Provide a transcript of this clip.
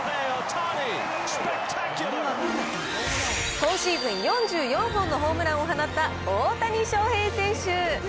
今シーズン４４本のホームランを放った大谷翔平選手。